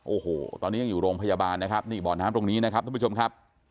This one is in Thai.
โอ้โหตอนนี้ยังอยู่โรงพยาบาลนะครับนี่บ่อน้ำตรงนี้นะครับท่านผู้ชมครับ